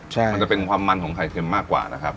ใช่มันจะเป็นความมันของไข่เค็มมากกว่านะครับ